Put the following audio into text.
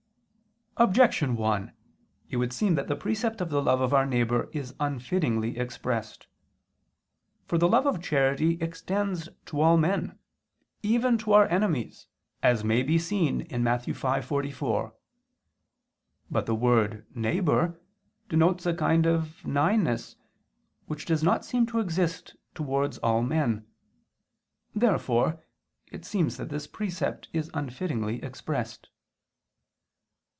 Objection 1: It would seem that the precept of the love of our neighbor is unfittingly expressed. For the love of charity extends to all men, even to our enemies, as may be seen in Matt. 5:44. But the word "neighbor" denotes a kind of "nighness" which does not seem to exist towards all men. Therefore it seems that this precept is unfittingly expressed.